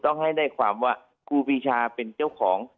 ต้องให้ได้ความว่าครูปีชาเป็นเจ้าของ